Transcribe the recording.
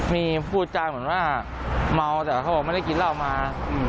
มีพูดจาเหมือนว่าเมาแต่เขาบอกไม่ได้กินเหล้ามา